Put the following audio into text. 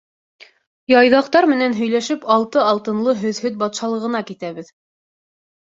Яйҙаҡтар менән һөйләшеп, Алты Алтынлы һөҙһөт батшалығына китәбеҙ.